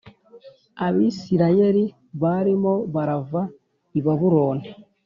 Abisirayeli barimo barava i babuloni